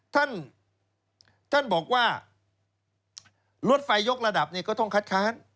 ท่านบอกว่ารถไฟยกระดับก็ต้องคัดค้าน